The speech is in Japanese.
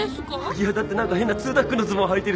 いやだって何か変なツータックのズボンはいてるし。